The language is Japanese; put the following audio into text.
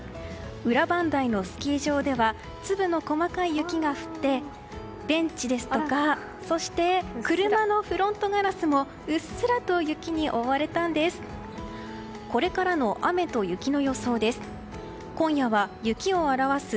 裏磐梯のスキー場では粒の細かい雪が降ってベンチですとかそして車のフロントガラスもうっすらと雪に覆われたんです。